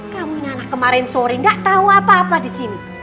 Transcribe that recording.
kamu ini anak kemarin sore nggak tahu apa apa di sini